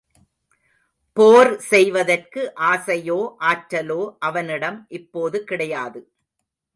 போர் செய்வதற்கு ஆசையோ, ஆற்றலோ அவனிடம் இப்போது கிடையாது.